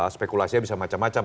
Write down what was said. spekulasinya bisa macam macam